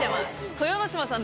豊ノ島さん